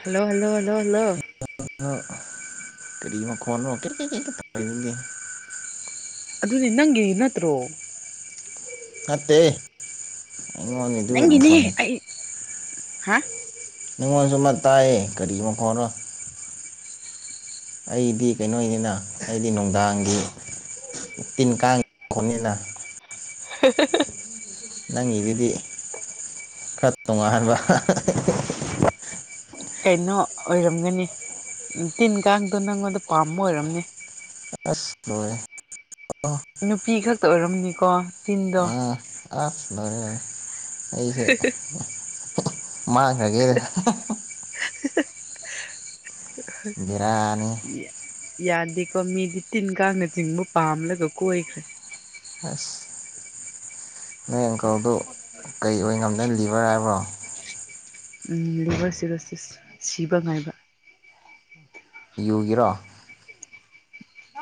hello hello hello hello ꯀꯔꯤꯃ ꯈꯣꯅꯣ ꯀ ꯀ ꯀ ꯑꯗꯨꯅꯦ ꯅꯪꯒꯤ ꯅꯠꯇ꯭ꯔꯣ ꯍꯥꯇꯩꯉꯣꯟ ꯅꯤꯡꯗꯨ ꯐ ꯅꯪꯒꯤꯅꯦ ꯑꯩ ꯍꯥ ꯉꯣꯟꯁꯨ ꯑꯃ ꯇꯥꯏꯌꯦ ꯀꯔꯤ ꯃꯈꯣꯔꯣ ꯑꯩꯗꯤ ꯀꯩꯅꯣꯅꯤꯅ ꯑꯩꯗꯤ ꯅꯨꯡꯗꯥꯡꯒꯤ ꯇꯤꯟ ꯀꯥꯡꯕꯅꯤꯅ [inaudible] ꯅꯪꯒꯤꯗꯨꯗꯤ ꯈꯔ ꯇꯣꯉꯥꯟꯕ ꯀꯩꯅꯣ ꯑꯣꯏꯔꯝꯒꯅꯤ ꯇꯤꯟ ꯀꯥꯡꯗꯨꯣ ꯅꯪꯉꯣꯟꯗ ꯄꯥꯝꯕ ꯑꯣꯏꯔꯝꯅꯤ ꯑꯁꯦ ꯑ ꯅꯨꯄꯤ ꯈꯛꯇꯥ ꯑꯣꯏꯔꯝꯅꯤꯀꯣ ꯇꯤꯟꯗꯣ ꯑ ꯑ ꯁꯔꯦ ꯑꯩꯁꯦ ꯃꯥꯡꯈ꯭ꯔꯒꯦꯗ [unintelligible] ꯕꯤꯔꯌꯥꯅꯤꯍ‌ꯦ ꯌꯥꯗꯦꯀꯣ ꯃꯤꯗꯤ ꯇꯤꯟ ꯀꯥꯡꯅ ꯆꯤꯡꯕ ꯄꯥꯝꯂꯒ ꯀꯣꯏꯈ꯭ꯔꯦ ꯑꯥꯁ ꯅꯣꯏ ꯑꯪꯀꯜꯗꯨ ꯀꯩ ꯑꯣꯏ ꯉꯝꯗ ꯂꯤꯕꯔ ꯍꯥꯏꯕ꯭ꯔꯣ ꯂꯤꯚꯔ ꯁꯤꯔꯣꯁꯤꯁ ꯁꯤꯕ ꯉꯥꯏꯕ ꯌꯨꯒꯤꯔꯣ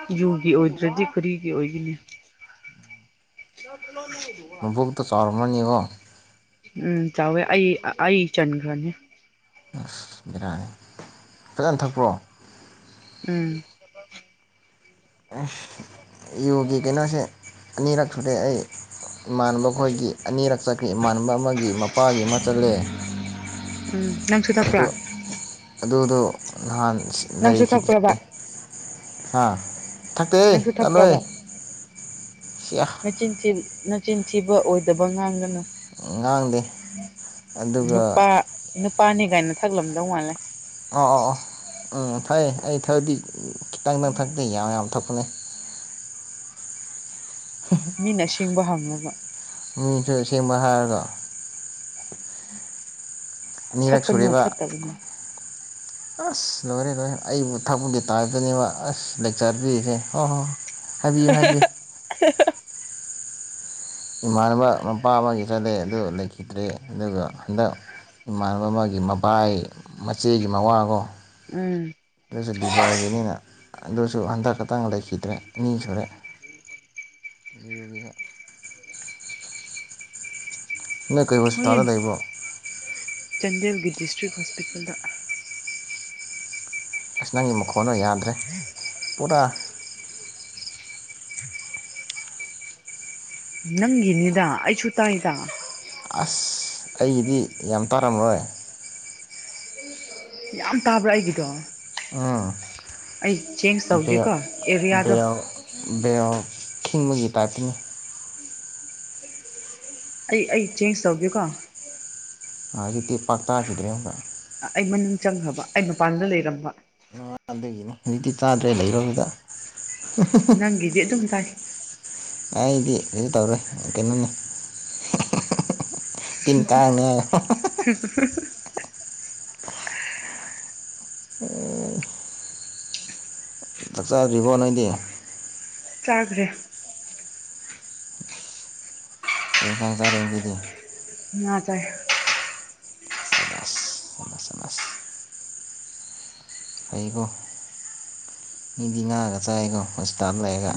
ꯌꯖꯨꯒꯤ ꯑꯣꯏꯗ꯭ꯔꯗꯤ ꯀꯔꯤꯒꯤ ꯑꯣꯏꯒꯤꯅꯤ ꯃ ꯕꯨꯛ ꯇ ꯆꯔꯃꯅꯤ ꯑꯣ ꯎꯝ ꯆꯥꯎꯋꯦ ꯑꯩ ꯑꯩ ꯆꯟꯈ꯭ꯔꯅꯤ ꯁ ꯕꯤꯔꯌꯥꯅꯤ ꯐꯖꯅ ꯊꯛꯄ꯭ꯔꯣ ꯎꯝ ꯑꯁ ꯌꯣꯒꯤ ꯀꯩꯅꯣꯁꯦ ꯑꯅꯤꯔꯛ ꯁꯨꯔꯦ ꯑꯩ ꯏꯃꯅꯕ ꯈꯣꯏꯒꯤ ꯑꯅꯤꯔꯛ ꯆꯠꯈꯤꯦ ꯏꯃꯅꯕ ꯑꯃꯒꯤ ꯃꯄꯥꯒꯤ ꯑꯃ ꯆꯠꯂꯦ ꯎꯝ ꯅꯪꯁꯨꯨ ꯑꯗꯨ ꯇꯥꯄ꯭ꯔꯥ ꯑꯗꯨꯗꯣ ꯅꯍꯥꯟ ꯅꯪꯁꯨ ꯊꯛꯈ꯭ꯔꯕ ꯍꯥꯥ ꯊꯥꯛꯇꯦ ꯇꯣ ꯊꯛꯄ꯭ꯔꯕ ꯁꯤꯌꯥ ꯅꯆꯤꯟꯊꯤꯕ ꯑꯣꯏꯗꯕ ꯉꯥꯡꯒꯅꯨ ꯉꯥꯡꯗꯦ ꯑꯗꯨꯒ ꯅꯨꯄꯥ ꯅꯨꯄꯥꯅꯤ ꯀꯥꯏꯅ ꯊꯥꯛꯂꯝꯗꯧ ꯃꯥꯜꯂꯦ ꯑ ꯑ ꯑ ꯎꯝ ꯐꯩ ꯑꯩ ꯊꯕꯗꯤ ꯈꯤꯇꯪ ꯅꯪꯊꯛꯇ ꯌꯥꯝ ꯌꯥꯝ ꯊꯣꯛꯄꯅꯦ ꯃꯤꯅ ꯁꯤꯡꯕ ꯍꯪꯂꯅꯕ ꯃꯤꯁꯨ ꯁꯦꯝꯦꯡꯕ ꯍꯥꯏꯔꯒ ꯑꯅꯤꯔꯛ ꯊꯛꯀꯅꯨ ꯁꯨꯔꯦꯕ ꯐꯠꯇꯕꯅꯦ ꯑꯁ ꯂꯣꯏꯔꯦ ꯂꯣꯏꯔꯦ ꯑꯩꯕꯨ ꯊꯕꯄꯕꯨꯗꯤ ꯇꯥꯗꯅꯦꯕ ꯑꯁ ꯂꯦꯛ ꯆꯥ ꯄꯔꯤꯁꯦ ꯍꯣꯏ ꯍꯣꯏ ꯍꯣꯏ ꯍꯥꯏꯕꯤꯌꯨ ꯍꯥꯏꯕꯤꯌꯨ ꯏꯃꯥꯟꯅꯕ ꯃꯄꯥ ꯑꯃꯒꯤ ꯆꯠꯂꯦ ꯑꯗꯨ ꯂꯩꯈꯤꯗ꯭ꯔꯦ ꯑꯗꯨꯒ ꯍꯟꯗꯛ ꯏꯃꯥꯟꯅꯕ ꯑꯃꯒꯤ ꯃꯕꯥꯏ ꯃꯆꯦꯒꯤ ꯃꯋꯥꯒꯣ ꯎꯝ ꯑꯗꯨꯁꯨ ꯗꯤꯖꯥꯏꯒꯤꯅꯤꯅ ꯑꯗꯨꯁꯨ ꯍꯟꯗꯛ ꯈꯛꯇꯪ ꯂꯩꯈꯤꯗ꯭ꯔꯦ ꯑꯅꯤ ꯁꯨꯔꯦ ꯌꯌꯨꯒꯤ ꯅꯣꯏ ꯀ ꯍꯣꯁꯄꯤꯇꯥꯜꯗ ꯍꯣꯏ ꯂꯩꯕ ꯆꯥꯟꯗꯦꯜꯒꯤ ꯗꯤꯁꯇ꯭ꯔꯤꯛ ꯍꯣꯁꯄꯤꯇꯥꯜꯗ ꯑꯁ ꯅꯪꯒꯤ ꯃꯈꯣꯟꯅꯣ ꯌꯥꯗ꯭ꯔꯦ ꯄꯨꯔꯥ ꯅꯪꯒꯤꯅꯤꯗ ꯑꯩꯁꯨ ꯇꯥꯏꯗ ꯑꯁ ꯑꯩꯒꯤꯗꯤ ꯌꯥꯝ ꯇꯥꯔꯝꯔꯣꯏ ꯌꯥꯝ ꯇꯥꯕ꯭ꯔꯥ ꯑꯩꯒꯤꯗꯣ ꯑꯩ ꯆꯦꯟꯖ ꯇꯧꯒꯦꯀꯣ ꯑꯦꯔꯤꯌꯥꯗꯣ ꯎ ꯈꯤꯤꯡꯕꯒꯤ ꯇꯥꯏꯞꯇꯅꯤ ꯑꯩ ꯑꯩ ꯆꯦꯟꯖ ꯇꯧꯒꯦꯨꯀꯣ ꯖꯤꯛꯇꯤ ꯄꯥꯛꯇꯈꯤꯗ꯭ꯔꯦ ꯑꯃꯨꯛ ꯑꯩ ꯃ ꯆꯪꯈꯕ ꯑꯩ ꯃꯄꯥꯟꯗ ꯂꯩꯔꯝꯕ ꯀꯩꯒꯤꯅꯣ ꯍꯧꯖꯤꯛꯇꯤ ꯇꯥꯗ꯭ꯔꯦ ꯂꯩꯔꯣꯗꯨꯗ ꯅꯪꯒꯤꯗꯤ ꯑꯗꯨꯝ ꯇꯥꯏ ꯑꯩꯗꯤ ꯑꯗꯨ ꯇꯧꯔꯦ ꯀꯩꯅꯣꯅꯤ ꯇꯤꯟ ꯀꯥꯡꯅꯦ [unintelligible] ꯆꯥꯛ ꯆꯥ꯭ꯔꯤꯕꯣ ꯅꯗꯤ ꯆꯥꯈ꯭ꯔꯦ ꯀ ꯏꯟꯁꯥꯡ ꯆꯥꯔꯛꯒꯤꯗꯤ ꯉꯆꯥꯏ ꯆꯦꯃꯁꯃꯦꯃꯁ ꯑꯩꯩꯀꯣ ꯃꯤꯗꯤ ꯉꯥꯛꯑꯒ ꯆꯥꯏꯀꯣ ꯍꯣꯁꯄꯤꯇꯥꯜ ꯂꯩꯔꯒ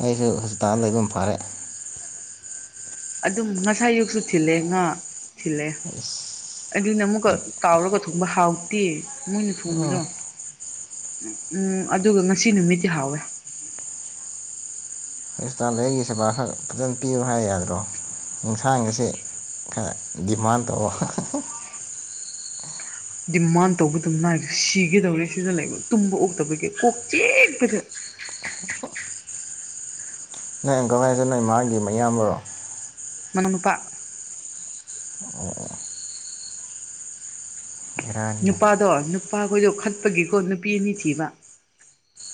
ꯑꯩꯁꯨ ꯍꯣꯁꯄꯤꯇꯥꯜ ꯂꯩꯕ ꯑꯃ ꯐꯥꯔꯦ ꯑꯗꯨꯝ ꯉꯁꯥꯏ ꯌꯨꯛꯁꯨ ꯊꯤꯜꯂꯦ ꯉꯥ ꯊꯤꯜꯂꯦ ꯎ ꯑꯗꯨꯅ ꯑꯃꯨꯛꯀ ꯀꯥꯎꯔꯒ ꯊꯣꯡꯕ ꯍꯥꯎꯇꯦ ꯃꯣꯏꯅ ꯎꯝ ꯊꯣꯡꯕꯗꯣ ꯝ ꯎꯝ ꯑꯗꯨꯒ ꯉꯁꯤ ꯅꯨꯃꯤꯠꯇꯗꯤꯤ ꯍꯥꯎꯋꯦ ꯍꯁꯇꯥꯥꯟꯗ ꯑꯩꯒꯤ ꯁꯦꯕꯥ ꯈꯛ ꯐꯖ ꯄꯤꯌꯨ ꯍꯥꯏ ꯌꯥꯗ꯭ꯔꯣ ꯌꯦꯟꯁꯥꯡ ꯑꯁꯤꯦ ꯈꯔ ꯗꯤꯃꯥꯟ ꯇꯧꯕ ꯗꯤꯃꯥꯟ ꯇꯧꯕꯗꯨꯝ ꯅꯥꯏꯕ ꯁꯤꯒꯗꯧꯅꯦ ꯁꯤꯗ ꯂꯩꯕ ꯇꯨꯝꯕ ꯑꯣꯛꯇꯕꯒꯤ ꯀꯣꯛ ꯆꯦꯛꯄꯗ [inaudible] ꯅ ꯑꯪꯀꯛ ꯍꯥꯏꯁꯠ ꯅ ꯃꯥꯒꯤ ꯃꯌꯥꯝꯕꯔꯣ ꯃꯅꯅꯄꯥ ꯕꯦꯔꯥꯅꯤꯅ ꯅꯨꯄꯥꯗꯣ ꯅꯨꯄꯥꯈꯣꯏꯗꯣ ꯈꯠꯄꯒꯤꯀꯣ ꯅꯨꯄꯤ ꯑꯅꯤ ꯊꯤꯕ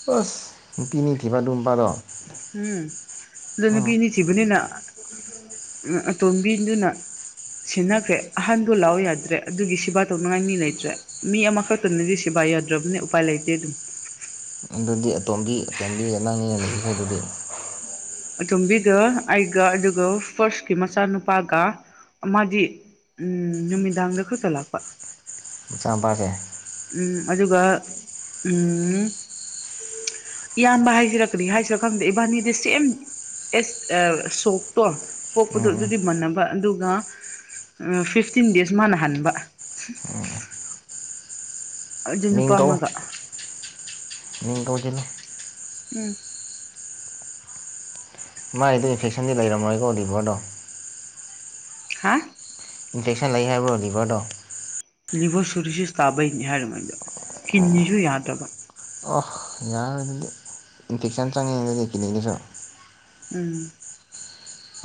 ꯄꯁ ꯎꯝ ꯑꯗ ꯎꯝ ꯅꯨꯄꯤꯅꯤꯁꯤꯕꯅꯤꯅ ꯎꯝ ꯇꯣꯝꯕꯤꯗꯨꯅ ꯁꯤꯟꯅꯈ꯭ꯔꯦ ꯑꯍꯟꯗꯣ ꯂꯥꯛꯑꯣ ꯌꯥꯗ꯭ꯔꯦ ꯑꯗꯨꯒꯤ ꯁꯦꯕꯥ ꯇꯧꯅꯉꯥꯏ ꯃꯤ ꯂꯩꯇ꯭ꯔꯦ ꯃꯤ ꯑꯃꯈꯛꯇꯅꯗꯤ ꯁꯤꯦꯕꯥ ꯎꯄꯥ ꯌꯥꯗ꯭ꯔꯕꯅꯤ ꯎꯄꯥꯏ ꯂꯩꯇꯦ ꯑꯗꯨꯝ ꯑꯗꯨꯗꯤ ꯑꯇꯣꯝꯕꯤ ꯑꯇꯣꯝꯕꯤ ꯑꯉꯥꯡꯅꯤꯅ ꯂꯩꯔꯤꯁꯦ ꯑꯗꯨꯗꯤ ꯑꯇꯣꯝꯕꯤꯒ ꯑꯩꯒ ꯑꯗꯨꯒ ꯐꯥꯔꯁꯀꯤ ꯃꯆꯥꯅꯨꯄꯥꯒ ꯃꯥꯗꯤ ꯎꯝ ꯅꯨꯃꯤꯗꯥꯡꯗ ꯈꯛꯇ ꯂꯥꯛꯄ ꯆꯄꯥꯒꯦ ꯎꯝ ꯑꯗꯨꯒ ꯎꯝ ꯏꯌꯥꯝꯕ ꯍꯥꯏꯁꯤꯔꯛꯀꯗꯤ ꯍꯥꯏꯁꯤꯔꯥ ꯈꯪꯗꯦ ꯏꯕꯥꯅꯤꯗ ꯁꯦꯝ ꯑꯦꯁ ꯁꯣꯛꯇꯣ ꯄꯣꯛꯄꯗꯣ ꯎꯝ ꯎꯝ ꯑꯗꯨꯗꯤ ꯃꯟꯅꯕ ꯑꯗꯨꯒ ꯎ ꯐꯤꯐꯇꯤꯟ ꯗꯦꯖ ꯃꯥꯅ ꯍꯟꯕ ꯑꯗꯨ ꯅꯨꯄꯥ ꯑꯃꯒ ꯃꯤꯀꯣꯖꯅ ꯎꯝ ꯃꯥꯒꯤꯗꯤ ꯏꯟꯐꯦꯛꯁꯟꯗꯤ ꯂꯩꯔꯝꯃꯣꯏꯀꯣ ꯗꯤꯕꯣꯗꯣ ꯍꯥ ꯏꯟꯐꯦꯛꯁꯟ ꯂꯩ ꯍꯥꯏꯕ꯭ꯔꯣ ꯂꯤꯚꯔꯗꯣ ꯂꯤꯕꯣ ꯁꯨꯔꯁꯤꯁ ꯇꯥꯕꯩꯅꯤ ꯍꯥꯏꯔꯗ ꯀꯅꯤꯁꯨ ꯌꯥꯍ ꯇ ꯑꯍ ꯌꯥꯔꯣꯏ ꯑꯗꯨꯗꯤ ꯏꯟꯐꯦꯛꯁꯟ ꯆꯪꯉꯤꯉꯩꯗꯗꯤ ꯀꯜꯂꯤꯒꯤꯁꯨ ꯎꯝ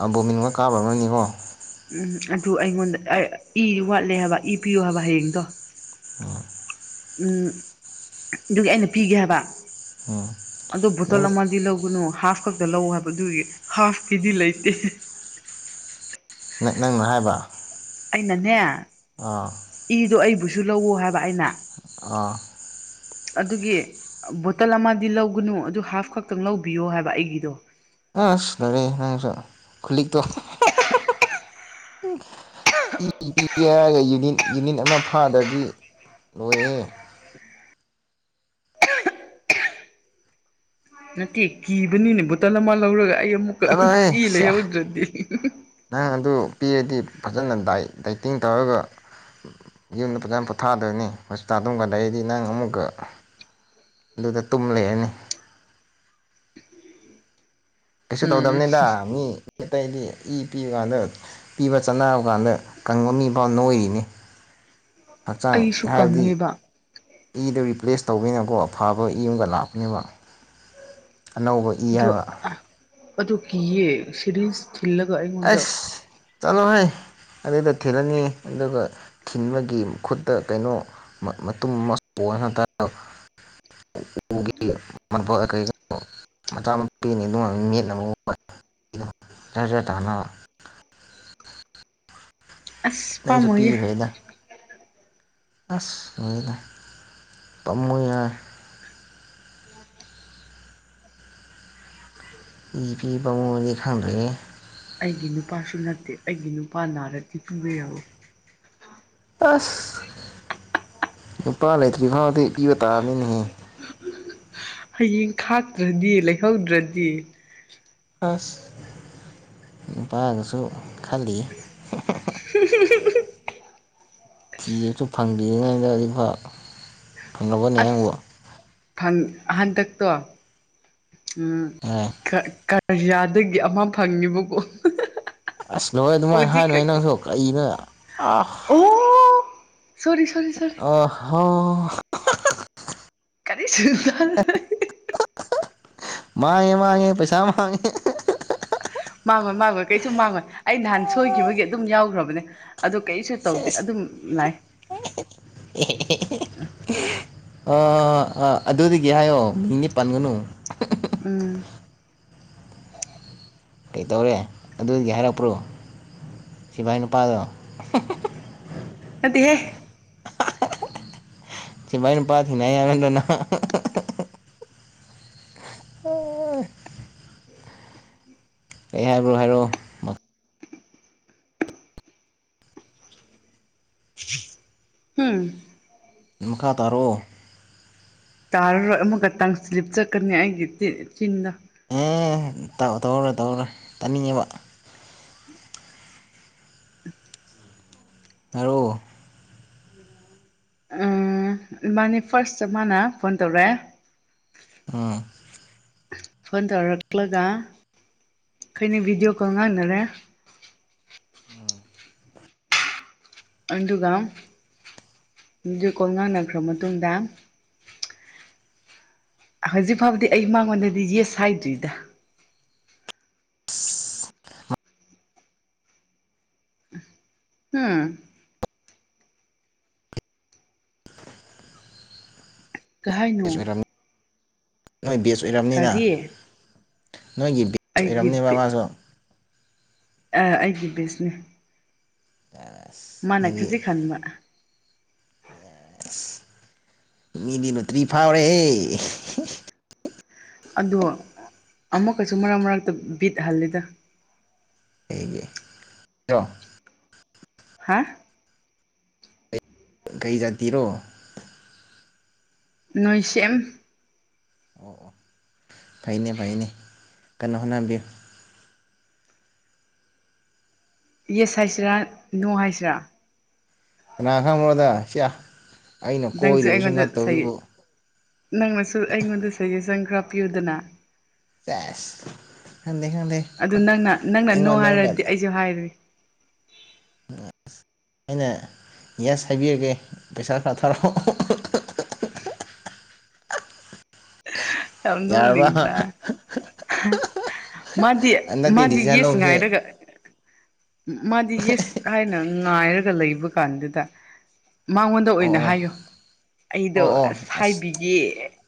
ꯑ ꯕꯣꯃꯤꯟꯒ ꯀꯥꯕ ꯑꯃꯅꯤꯀꯣ ꯎꯝ ꯑꯗꯨ ꯑꯩꯉꯣꯟꯗ ꯏ ꯋꯥꯠꯂꯦ ꯍꯥꯏꯕ ꯏ ꯄꯤꯌꯨ ꯍꯥꯏꯕ ꯍꯌꯦꯡꯗꯣ ꯎꯝ ꯑꯗꯨꯒꯤ ꯑꯩꯅ ꯄꯤꯒꯦ ꯍꯥꯏꯕ ꯑꯣ ꯑꯗꯣ ꯕꯣꯇꯜ ꯑꯃꯗꯤ ꯂꯧꯒꯅꯨ ꯍꯥꯐ ꯈꯛꯇ ꯂꯧ ꯍꯥꯏꯕꯗꯨꯒꯤ ꯍꯥꯐꯀꯤꯗꯤ ꯂꯩꯇꯦ ꯅꯪꯅ ꯍꯥꯏꯕ ꯑꯩꯅꯅꯦ ꯑꯥ ꯏꯗꯣ ꯑꯩꯕꯨꯁꯨ ꯂꯧꯋ ꯍꯥꯏꯕ ꯑꯩꯅ ꯑꯥ ꯑꯗꯨꯒꯤ ꯕꯣꯇꯜ ꯑꯃꯗꯤ ꯂꯧꯒꯅꯨ ꯑꯗꯨ ꯍꯥꯐ ꯈꯛꯇꯪ ꯂꯧꯕꯤꯌꯣ ꯍꯥꯏꯕ ꯑꯩꯒꯤꯗꯣ ꯑꯁ ꯇꯔꯦ ꯅꯪꯁꯨ ꯈꯨꯂꯤꯛꯇꯣ ꯏ ꯄꯤ ꯑꯥꯏꯒꯨ ꯌꯨꯅꯤꯠ ꯑꯃ ꯐꯥꯗꯒꯤ ꯂꯣꯏꯑꯦ ꯅꯠꯇꯦ ꯀꯤꯕꯅꯤꯅꯦ ꯕꯣꯇꯜ ꯑꯃ ꯂꯧꯔꯒ ꯑꯩ ꯑꯃꯨꯛꯀ ꯆꯠꯂꯣꯍꯦ ꯀꯤꯂ ꯁꯤꯌꯥ ꯌꯧꯗ꯭ꯔꯗꯤ ꯅꯪ ꯑꯗꯨ ꯄꯤꯔꯗꯤ ꯐꯖꯅ ꯇꯤꯡ ꯇꯧꯔꯒ ꯌꯨꯝꯗ ꯐꯖꯅ ꯄꯣꯊꯥꯗꯣꯏꯅꯤ ꯍꯣꯁꯄꯤꯇꯥꯜ ꯇꯨꯝꯕꯗ ꯑꯩꯗꯤ ꯅꯪ ꯑꯃꯨꯛꯀ ꯑꯗꯨꯗ ꯇꯨꯝꯂꯔꯅꯤ [inaudible] ꯀꯩꯁꯨ ꯎꯝ ꯇꯧꯗꯝꯕꯅꯦꯗ ꯃꯤ ꯑꯇꯩꯗꯤ ꯏ ꯄꯤꯕ ꯀꯥꯟꯗ ꯄꯤꯕ ꯆꯥꯅꯕ ꯀꯥꯟꯗ ꯀꯪꯕ ꯃꯤꯐꯥꯎ ꯅꯣꯏꯔꯤꯅꯤ ꯍꯛꯆꯥꯡ ꯑꯩꯁꯨ ꯍꯥꯏꯕꯗꯤ ꯀꯪꯉꯦꯕ ꯏꯗꯣ ꯔꯤꯄ꯭ꯂꯦꯁ ꯇꯧꯕꯤꯅꯀꯣ ꯑꯐꯕ ꯏ ꯑꯃꯒ ꯂꯥꯛꯄꯅꯦꯕ ꯑꯅꯧꯕ ꯏ ꯑꯗꯣ ꯍꯥꯏꯕ ꯑꯗꯨ ꯀꯤꯌꯦ ꯁꯤꯔꯤꯁ ꯊꯤꯜꯂꯒ ꯑꯩꯉꯣꯟꯗ ꯆꯂꯣ ꯍꯥꯏꯥꯏ ꯑꯗꯨꯗ ꯊꯤꯜꯂꯅꯤ ꯑꯗꯨꯒ ꯊꯤꯟꯤꯟꯕꯒꯤ ꯈꯨꯠꯇ ꯀꯩꯅꯣ ꯃꯇꯨꯝ ꯃ ꯍꯠꯇ ꯎ ꯃ ꯀ ꯃꯆꯥ ꯑꯃ ꯄꯤꯅꯤ ꯑꯗꯨ ꯃꯦꯠꯅ ꯑꯃꯨꯦ ꯇꯅ ꯑꯁ ꯄꯥꯝꯃꯒ ꯑꯁ ꯂꯩꯗ ꯇꯞꯃꯨ ꯌꯥ ꯏ ꯄꯤꯕ ꯃꯅꯤ ꯈꯪꯗ꯭ꯔꯦ ꯑꯩꯒꯤ ꯅꯨꯄꯥꯁꯨ ꯅꯠꯇꯦ ꯑꯩꯒꯤ ꯅꯨꯄꯥ ꯅꯥꯔꯗꯤ ꯄꯤꯕ ꯌꯥꯋꯨ ꯑꯁ ꯄꯥ ꯂꯩꯇ꯭ꯔꯤꯐꯥꯗ ꯏ ꯇꯥꯔꯅꯤꯅꯤꯍ ꯍꯌꯦꯡ ꯈꯥꯛꯇ꯭ꯔꯗꯤ ꯂꯩꯍꯧꯗ꯭ꯔꯗꯤ ꯑꯁ ꯅꯨꯄꯥꯒꯁꯨ ꯈꯜꯂꯤ ꯐꯤꯁꯨ ꯐꯪꯕꯤꯔꯤꯉꯩꯗ ꯑꯗꯨꯐ ꯐꯪꯉꯕꯅꯦ ꯑꯩꯪꯕꯨ ꯑꯁ ꯍꯟꯗꯛꯇꯣ ꯎꯝ ꯑꯦ ꯑꯔꯤꯌꯥꯗꯒꯤ ꯑꯃ ꯐꯪꯉꯤꯕꯀꯣ ꯑꯁ ꯅꯣꯏ ꯑꯗꯨꯃꯥꯏꯅ ꯍꯥꯏꯅꯣꯏ ꯅꯪꯁꯨ ꯀꯛꯏ ꯅꯣꯏ ꯑ ꯑꯣ ꯁꯣꯔꯤ ꯁꯣꯔꯤ ꯁꯣꯔꯤ ꯑ ꯍꯣ ꯀꯔꯤꯁꯨ ꯃꯥꯅꯦ ꯃꯥꯅꯦ ꯄꯩꯁꯥ ꯃꯥꯉꯦ ꯃꯥꯡꯉꯣꯏ ꯃꯥꯡꯂꯣꯏ ꯀꯩꯁꯨ ꯃꯥꯡꯉꯣꯏ ꯑꯩ ꯅꯍꯥꯟ ꯁꯣꯏꯈꯤꯕꯒꯤ ꯑꯗꯨꯝ ꯌꯥꯎꯈ꯭ꯔꯕꯅꯦ ꯑꯗꯨ ꯀꯩꯁꯨ ꯇꯧꯗꯦ ꯁꯦꯁ ꯑꯗꯨꯝ ꯂꯥꯏ ꯑ ꯑꯥꯥ ꯑꯗꯨꯗꯒꯤ ꯍꯥꯏꯌꯣ ꯃꯤ ꯅꯤ ꯄꯟꯒꯅꯨ ꯎꯝ ꯀꯩꯇꯧꯔꯦ ꯑꯗꯨꯗꯒꯤ ꯍꯥꯏꯔꯛꯄ꯭ꯔꯣ ꯁꯤꯚꯥꯏ ꯅꯨꯄꯥꯗꯣ ꯑꯗ ꯍꯦ ꯁꯤ ꯃꯥꯏꯩꯅ ꯄꯥꯇꯤꯅꯅꯅ ꯀꯩ ꯍꯥꯏꯕ꯭ꯔꯣ ꯍꯥꯏꯔꯣ ꯎꯝ ꯃꯈꯥ ꯇꯥꯔꯛꯑꯣ ꯇꯥꯔꯔꯣꯏ ꯑꯃꯒ ꯇꯪꯁꯤ ꯂꯤꯞ ꯆꯠꯀꯅꯤ ꯑꯩꯒꯤ ꯆꯤꯟꯗ ꯇꯧꯔꯔꯣꯏ ꯇꯧꯔꯔꯣꯏ ꯇꯥꯅꯤꯡꯉꯦꯕ [inaudible] ꯔꯣ ꯎꯝ ꯃꯥꯅꯤ ꯐꯥꯔꯁ ꯆ ꯃꯥꯅ ꯐꯣꯟ ꯇꯧꯔꯦ ꯎꯝ ꯐꯟꯗꯔꯛꯂꯒ ꯈꯩꯅꯦ ꯚꯗꯤꯑꯣ ꯀꯉꯅꯅꯦꯦ ꯑꯟꯗꯒ ꯀꯣꯡ ꯉꯥꯟꯅꯈ꯭ꯔ ꯃꯇꯨꯡꯗ ꯍꯧꯖꯤꯛ ꯐꯥꯎꯕꯗꯤ ꯑꯩ ꯃꯉꯣꯟꯗꯗꯤ ꯌꯦꯁ ꯍꯥꯏꯗ꯭ꯣꯏꯗ ꯕꯦꯁ ꯎꯝ ꯀꯍꯥꯏ ꯅꯣꯡ ꯑꯣꯏꯔꯝꯅꯤ ꯅꯣꯏ ꯕꯦꯖ ꯑꯣꯏꯔꯝꯅꯤꯅ ꯅꯣꯏꯒꯤ ꯕꯦꯖ ꯑꯣꯏꯔꯝꯅꯦꯕ ꯃꯥꯁꯨ ꯑ ꯑꯩꯗꯤ ꯕꯤꯁꯅꯦ ꯃꯥꯟꯅꯛ ꯈꯖꯤ ꯈꯕ ꯑꯦ ꯃꯤꯗꯤꯅ ꯇ꯭ꯔꯤ ꯐꯥꯎꯔꯦ ꯑꯗꯣ ꯑꯃꯨꯛꯀꯁꯨ ꯃꯔꯛ ꯃꯔꯛꯇ ꯕꯤꯠꯍꯜꯂꯤꯗ ꯆꯣ ꯍꯥ ꯀꯩꯖꯇꯔꯣ ꯅꯣꯏꯁꯦꯝ ꯑꯣ ꯑꯣ ꯐꯩꯅꯦ ꯐꯩꯅꯦ ꯀꯟꯅ ꯍꯣꯠꯅꯕꯤꯌꯨ ꯌꯦꯁ ꯍꯥꯏꯁꯤꯔꯥ ꯅꯣ ꯍꯥꯏꯁꯤꯔꯥ ꯀ ꯈꯥꯝ ꯑꯣꯏꯣꯏꯗ ꯆꯠ ꯅꯪꯁꯨ ꯑꯩꯉꯣꯟꯗ ꯁꯩ ꯅꯪꯅꯁꯨ ꯑꯩꯉꯣꯟꯗ ꯁꯩ ꯔꯐꯤꯌꯨꯗꯅ ꯆꯗ ꯈꯗꯦꯉꯗ ꯑꯗꯨ ꯅꯪꯅ ꯅꯪꯅ ꯅꯣ ꯍꯥꯏꯔꯗꯤ ꯑꯩꯁꯨ ꯍꯥꯏꯔꯤ ꯎꯝ ꯑꯩꯅ ꯌꯦꯁ ꯍꯥꯏꯕꯤꯔꯒꯦ ꯄꯩꯁꯥ ꯈꯔ ꯊꯥꯔꯛꯑꯣ ꯌꯥꯔꯕ ꯅꯣꯗ ꯃꯥꯗꯤ ꯍꯟꯗꯛꯇꯤ ꯃꯥꯗꯤ ꯗꯤꯁꯤꯖꯟ ꯌꯦꯁ ꯂꯧꯕꯁꯦ ꯉꯥꯏꯔꯒ ꯃꯥꯗꯤ ꯌꯦꯁ ꯍꯥꯏꯅ ꯉꯥꯏꯔꯒ ꯂꯩꯕ ꯀꯥꯟꯗꯨꯗ ꯃꯉꯣꯟꯗ ꯑꯣꯏꯅ ꯑꯣ ꯍꯥꯏꯌꯣ ꯑꯩꯗꯣ ꯑꯣ ꯑꯣ ꯑꯣ ꯑꯁ ꯍꯥꯏꯕꯤꯒꯦ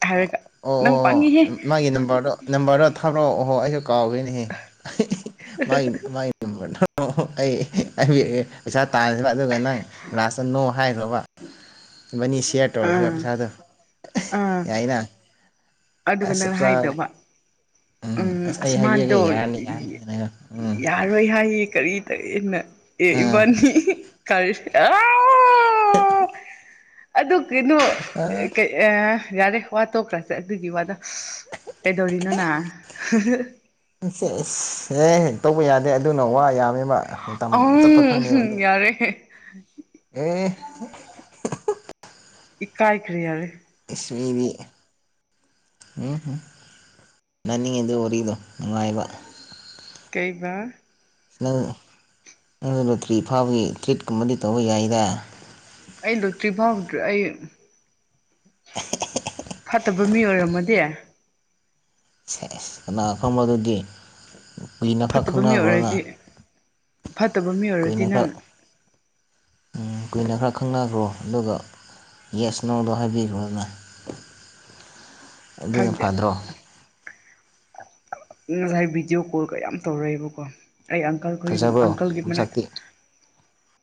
ꯍꯥꯏꯔꯒ ꯑꯣ ꯅꯪ ꯑꯣ ꯄꯪꯉꯤꯍꯦ ꯃꯥꯒꯤ ꯅꯝꯕꯔꯗꯣ ꯅꯝꯕꯔꯗꯣ ꯊꯥꯗꯔꯛꯑꯣ ꯑꯣꯍꯣ ꯑꯩꯁꯨ ꯀꯥꯎꯗꯣꯏꯅꯦꯍꯦ ꯥꯏꯥꯏ ꯑꯩꯩ ꯇꯥꯕ ꯑꯗꯨꯒ ꯅꯪ ꯂꯥꯁꯇ ꯅꯣ ꯍꯥꯏꯈ꯭ꯔꯕ ꯕꯅꯤ ꯁꯦꯌꯥꯔ ꯑꯥ ꯇꯧꯔꯁꯤ ꯁꯥꯗꯣ ꯑꯥ ꯌꯥꯏꯅ ꯑꯗꯨꯒ ꯑꯁ ꯆꯞ ꯅꯪ ꯆꯥꯔꯦ ꯍꯥꯏꯗꯕ ꯎꯝ ꯑꯁ ꯑꯩ ꯑꯁꯃꯥꯗꯣ ꯍꯥꯏꯕꯤꯔꯒꯦ ꯌꯥꯔꯅꯤ ꯌꯥꯔꯅꯤ ꯍꯥꯏꯔꯒ ꯎꯝ ꯌꯥꯔꯣꯏ ꯍꯥꯏꯌꯦ ꯀꯔꯤ ꯏꯟꯅ ꯏ ꯑꯥ ꯏꯕꯥꯅꯤ ꯀꯔ [inaudible] ꯑꯗꯨ ꯀꯩꯅꯣ ꯌꯥꯔꯦ ꯋꯥꯠꯇꯣꯛꯈ꯭ꯔꯥ ꯆꯠꯂ ꯑꯗꯨꯒꯤ ꯋꯥꯗ ꯀꯩꯗꯧꯔꯤꯅꯣꯅꯥ ꯁꯦ ꯑꯦꯁ ꯑꯦ ꯇꯧꯕ ꯌꯥꯗꯦ ꯑꯗꯨꯅ ꯋꯥ ꯌꯥꯕ ꯃꯇꯝ ꯑ ꯆꯠꯄ ꯈꯪꯗꯦꯕ ꯑꯗꯨꯒ ꯌꯥꯔꯦ ꯑꯦ [inaudible] ꯏ ꯀꯥꯏꯈ꯭ꯔꯔꯤ ꯌꯥꯔꯦ ꯑꯁꯃꯤꯕꯤ ꯎꯝꯝ ꯅꯅꯤꯡꯉꯤꯗꯨ ꯋꯥꯔꯤꯗꯣ ꯅꯨꯡꯉꯥꯏꯕ ꯀꯩꯕ ꯅꯪ ꯅꯪ ꯂꯣꯇ꯭ꯔꯤ ꯐꯥꯕꯒꯤ ꯇ꯭ꯔꯤꯠꯀꯨꯝꯕꯗꯤ ꯇꯧꯕ ꯌꯥꯏꯗ ꯑꯩ ꯂꯣꯏꯇ꯭ꯔꯤ ꯐꯥꯎꯗ꯭ꯔꯤ ꯑꯩ [inaudible] ꯐꯠꯇꯕ ꯃꯤ ꯑꯣꯏꯔꯝꯃꯗꯤꯦ ꯈꯣꯡꯕꯗꯨꯗꯤ ꯀꯨꯏꯅ ꯈꯔ ꯐꯠꯇꯕ ꯃꯤ ꯈꯪꯅꯈ꯭ꯔꯣꯅ ꯑꯣꯏꯔꯗꯤ ꯐꯠꯇꯕ ꯃꯤ ꯑꯣꯏꯔꯗꯤ ꯀꯨꯏꯅ ꯈꯔ ꯅꯪ ꯀꯨꯏꯅ ꯈꯔ ꯈꯪꯅꯈ꯭ꯔꯣ ꯑꯗꯨꯒ ꯌꯦꯁ ꯅꯣꯡꯗꯣ ꯍꯥꯏꯕꯤꯔꯣꯅꯦ ꯑꯗꯨꯅ ꯈꯪꯗꯦ ꯐꯗ꯭ꯔꯣ ꯉꯁꯥꯏ ꯚꯤꯗꯤꯑꯣ ꯀꯣꯜ ꯀꯌꯥꯝ ꯇꯧꯔꯛꯏꯦꯕꯀꯣ ꯑꯩ ꯑꯪꯀꯜꯈꯣꯏ ꯐꯖꯕ꯭ꯔꯣ ꯑꯪꯀꯜꯒꯤ ꯃꯅꯥ ꯃꯁꯛꯇꯤ